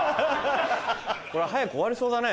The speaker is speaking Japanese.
これは早く終わりそうだね